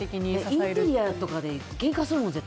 インテリアとかで絶対けんかするもん。